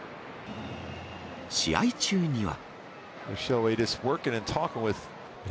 試合中には。